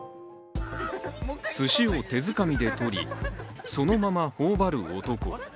すしを手づかみでとり、そのまま頬張る男。